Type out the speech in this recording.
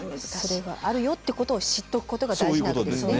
あるよっていうことを知っておくことが大事なんですね。